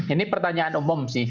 ini pertanyaan umum sih